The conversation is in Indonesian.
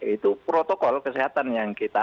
itu protokol kesehatan yang kita